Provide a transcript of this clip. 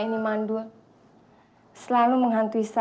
oh apa penggemar dari inggris